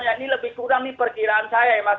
ini lebih kurang perkiraan saya mas